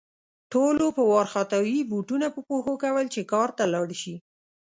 ټولو په وارخطايي بوټونه په پښو کول چې کار ته لاړ شي